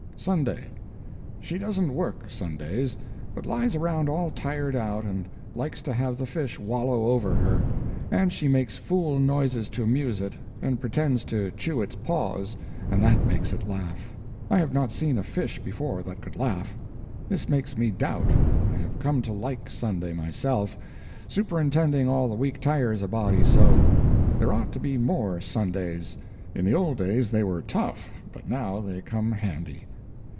SUNDAY. She doesn't work, Sundays, but lies around all tired out, and likes to have the fish wallow over her; and she makes fool noises to amuse it, and pretends to chew its paws, and that makes it laugh. I have not seen a fish before that could laugh. This makes me doubt.... I have come to like Sunday myself. Superintending all the week tires a body so. There ought to be more Sundays. In the old days they were tough, but now they come handy.